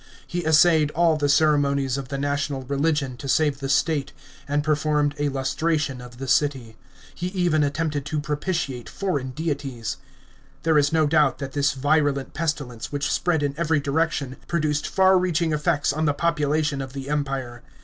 He essayed all the ceremonies of the national religion to save the state, and performed a lustration of the city. He even attempted to propitiate foreign deities. There is no doubt that this virulent pestilence, which spread in every direction, produced far reaching effects on the population of the Empire.